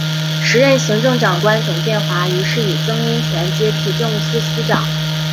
时任行政长官董建华于是以曾荫权接替政务司司长。